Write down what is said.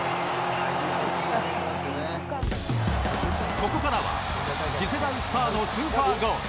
ここからは次世代スターのスーパーゴール。